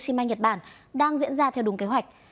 chi may nhật bản đang diễn ra theo đúng kế hoạch